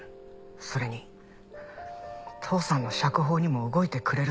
それに父さんの釈放にも動いてくれるそうです。